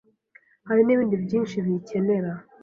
hari n’ibindi byinshi biyikenera